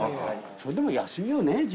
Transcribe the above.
それでも安いよね